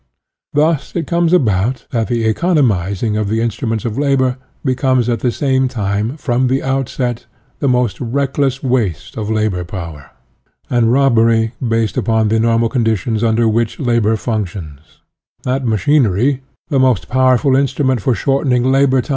Thus it comes about that the economizing of the instruments of labor becomes at the same time, from the outset, the most reckless waste of labor power, and robbery based upon the normal conditions under which labor functions ; that machinery, " the most powerful instrument for shortening labor ' The Condition of the Working Class in England " (Son nenscbein & Co.)